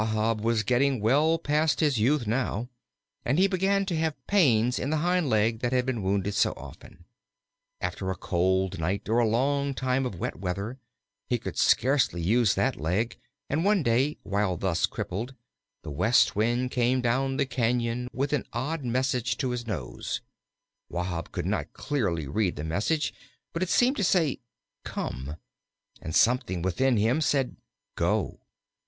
Wahb was getting well past his youth now, and he began to have pains in the hind leg that had been wounded so often. After a cold night or a long time of wet weather he could scarcely use that leg, and one day, while thus crippled, the west wind came down the cañon with an odd message to his nose. Wahb could not clearly read the message, but it seemed to say, "Come," and something within him said, "Go."